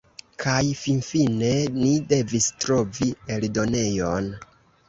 Kaj finfinfine ni devis trovi eldonejon.